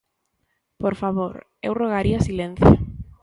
Por favor, eu rogaría silencio.